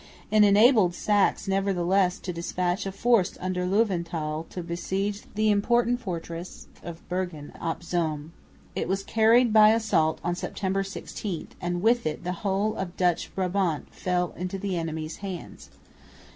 It enabled Saxe nevertheless to despatch a force under Löwenthal to besiege the important fortress of Bergen op Zoom. It was carried by assault on September 16, and with it the whole of Dutch Brabant fell into the enemy's hands.